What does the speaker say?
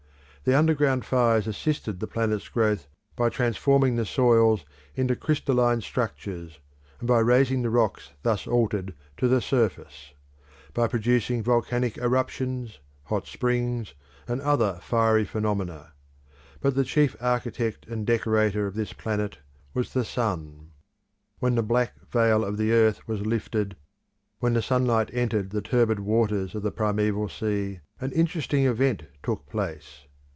The underground fires assisted the planet's growth by transforming the soils into crystalline structures, and by raising the rocks thus altered to the surface; by producing volcanic eruptions, hot springs, and other fiery phenomena. But the chief architect and decorator of this planet was the sun. When the black veil of the earth was lifted, when the sunlight entered the turbid waters of the primeval sea, "an interesting event" took place.